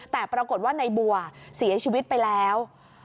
แต่ปรากฏว่าในบัวเสียชีวิตไปแล้ว